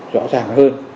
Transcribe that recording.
rõ ràng hơn